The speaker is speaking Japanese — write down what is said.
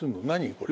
これ。